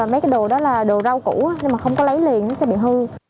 mấy cái đồ đó là đồ rau củ nhưng mà không có lấy liền nó sẽ bị hư